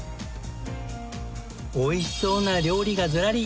美味しそうな料理がずらり！